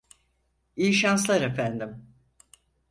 İyi şanslar efendim.